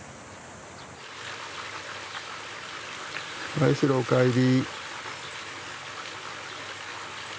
はいしろお帰り。